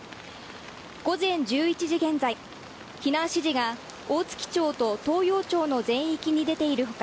午前１１時現在避難指示が大月町と東洋町の全域に出ている他